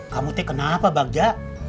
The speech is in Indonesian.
kamu teh kenapa bagja